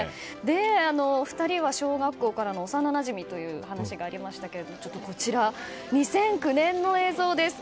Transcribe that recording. ２人は小学校からの幼なじみという話がありましたがこちらは２００９年の映像です。